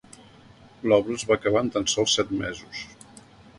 L'obra es va acabar en tan sols set mesos.